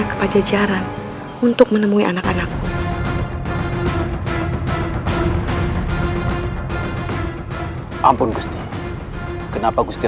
kau tidak akan terjadi